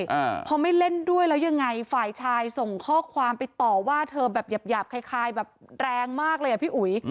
อ่าพอไม่เล่นด้วยแล้วยังไงฝ่ายชายส่งข้อความไปต่อว่าเธอแบบหยาบหยาบคล้ายคล้ายแบบแรงมากเลยอ่ะพี่อุ๋ย